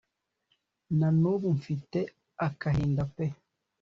nanubu mfite akahinda pe